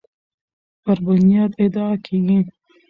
پر بنیاد ادعا کیږي